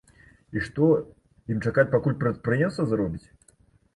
І што, ім чакаць пакуль прадпрыемства заробіць?